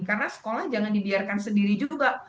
karena sekolah jangan dibiarkan sendiri juga